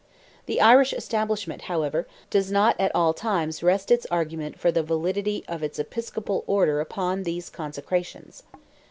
The Irish Establishment, however, does not at all times rest its argument for the validity of its episcopal Order upon these consecrations.